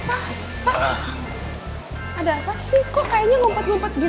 pak ada apa sih kok kayaknya ngumpet ngumpet gitu